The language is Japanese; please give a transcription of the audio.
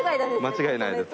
間違いないです。